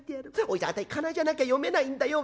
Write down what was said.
おじちゃんあたい仮名じゃなきゃ読めないんだよ。